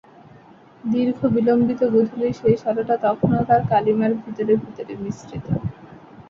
দীর্ঘবিলম্বিত গোধূলির শেষ-আলোটা তখনো তার কালিমার ভিতরে ভিতরে মিশ্রিত।